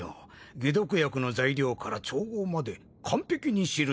解毒薬の材料から調合まで完璧に記してある。